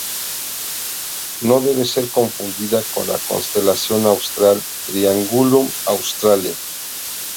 No debe ser confundida con la constelación austral Triangulum Australe.